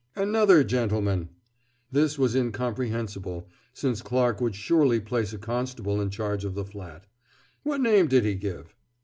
"Another gentleman!" this was incomprehensible, since Clarke would surely place a constable in charge of the flat. "What name did he give?"